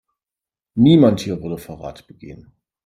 Niemand hier würde Verrat begehen.